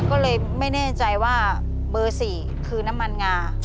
ก็เลยไม่แน่ใจว่าเบอร์๔คือน้ำมันงา